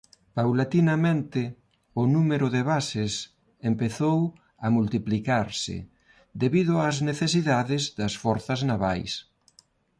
Paulatinamente o número de bases empezou a multiplicarse debido ás necesidades das forzas navais.